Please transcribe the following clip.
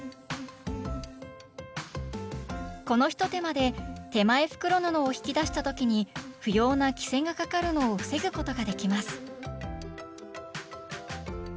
このひと手間で手前袋布を引き出した時に不要な「きせ」がかかるのを防ぐことができます